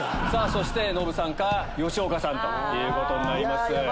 そしてノブさんか吉岡さんということになります。